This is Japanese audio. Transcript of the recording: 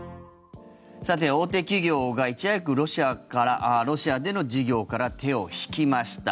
さて、大手企業がいち早くロシアからロシアでの事業から手を引きました。